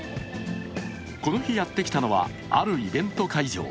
この日やってきたのはあるイベント会場。